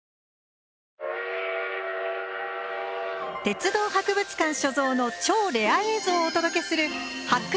鉄道博物館所蔵の超レア映像をお届けする「発掘！